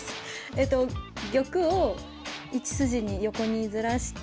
えと玉を１筋に横にずらして。